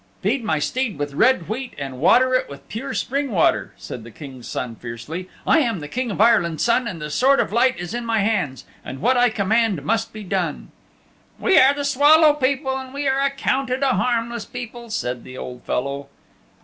"Feed my steed with red wheat and water it with pure spring water," said the King's Son fiercely. "I am the King of Ireland's Son and the Sword of Light is in my hands, and what I command must be done." "We are the Swallow People and we are accounted a harmless people," said the old fellow.